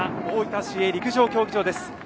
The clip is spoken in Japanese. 大分市営陸上競技場です。